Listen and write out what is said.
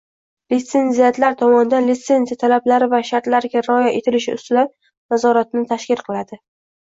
litsenziatlar tomonidan litsenziya talablari va shartlariga rioya etilishi ustidan nazoratni tashkil qiladi